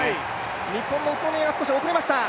日本の宇都宮、少し遅れました。